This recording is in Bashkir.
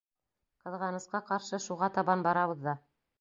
Ҡыҙғанысҡа ҡаршы, шуға табан барабыҙ ҙа.